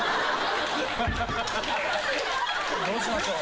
どうしましょう？